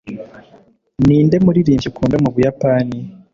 ninde muririmbyi ukunda mu buyapani